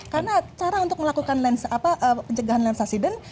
karena cara untuk melakukan pencegahan land subsidence